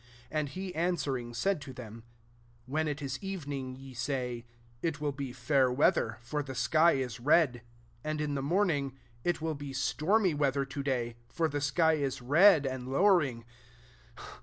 2 And he answering said to them, <* When it is evening^ ve say, * If mil be fair weather s tor the sky is red ;' 3 and in^ the morning, '// will be stormy ivea ther to day, for the sky is red and lowering.'